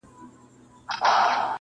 ساقي واخله ټول جامونه پرې خړوب که,